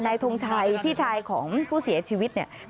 ทงชัยพี่ชายของผู้เสียชีวิตเนี่ย